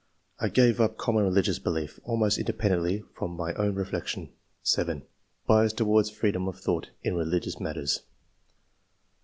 I gave up common religious belief, almost independently from my own reflection." 7. "Bias towards freedom of thought in religious matters."